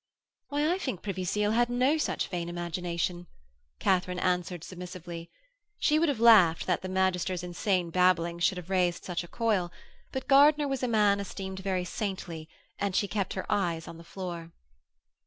'Why, I think Privy Seal had no such vain imagination,' Katharine answered submissively. She would have laughed that the magister's insane babblings should have raised such a coil; but Gardiner was a man esteemed very saintly, and she kept her eyes on the floor.